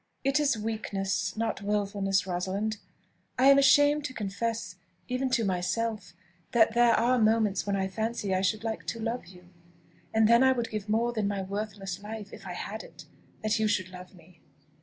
"It is weakness, not wilfulness, Rosalind. I am ashamed to confess, even to myself, that there are moments when I fancy I should like to love you; and then I would give more than my worthless life, if I had it, that you should love me.